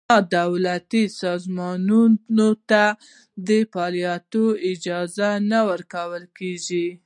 نا دولتي سازمانونو ته د فعالیت اجازه نه ورکول کېږي.